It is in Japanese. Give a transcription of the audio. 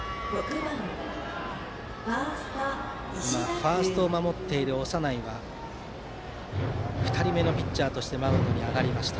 ファーストを守っている長内が２人目のピッチャーとしてマウンドに上がりました。